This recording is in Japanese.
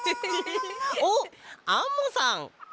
おっアンモさん！